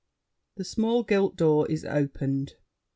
[The small gilt door is opened.